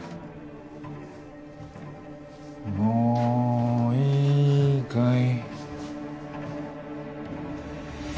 もういいかい？